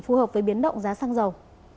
phù hợp với biến động giá xăng dầu